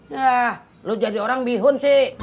ya lo jadi orang bihun sih